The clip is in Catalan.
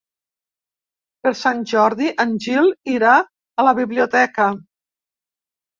Per Sant Jordi en Gil irà a la biblioteca.